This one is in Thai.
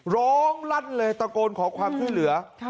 ลั่นเลยตะโกนขอความช่วยเหลือ